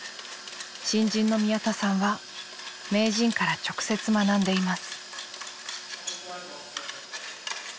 新人の宮田さんは名人から直接学んでいます。